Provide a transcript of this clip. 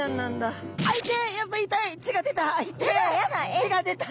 血が出た。